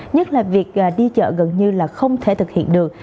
nhất là việc đi chợ gần như là không thể thực hiện được